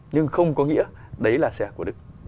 nhưng không có nghĩa đấy là xe của đức